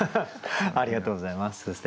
ありがとうございます。